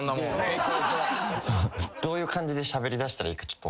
どういう感じでしゃべりだしたらいいか。